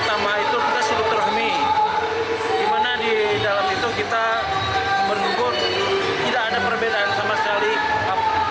dimana di dalam itu kita menunggu tidak ada perbedaan sama sekali